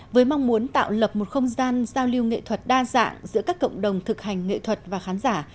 với mong muốn tạo lập một không gian giao lưu nghệ thuật đa dạng giữa các cộng đồng thực hành nghệ thuật và khán giả